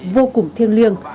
vô cùng thiêng liêng